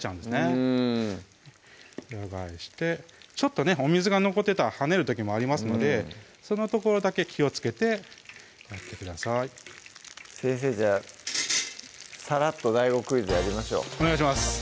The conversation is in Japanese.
うん裏返してちょっとねお水が残ってたら跳ねる時もありますのでそのところだけ気をつけてやってください先生じゃあさらっと「ＤＡＩＧＯクイズ」やりましょうお願いします